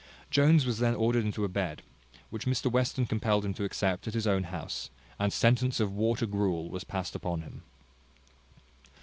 Jones was then ordered into a bed, which Mr Western compelled him to accept at his own house, and sentence of water gruel was passed upon him.